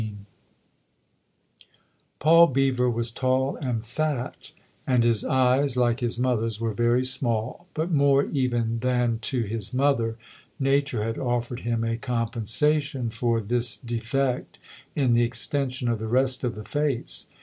XV PAUL BEEVER was tall and fat, and his eyes, like his mother's, were very small ; but more even than to his mother nature had offered him a compensation for this defect in the extension of the rest of the face.